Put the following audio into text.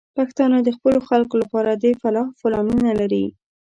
پښتانه د خپلو خلکو لپاره د فلاح پلانونه لري.